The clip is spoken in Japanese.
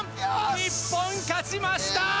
日本、勝ちました。